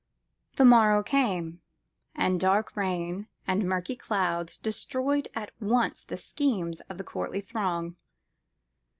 The morrow came, and dark rain and murky clouds destroyed at once the schemes of the courtly throng.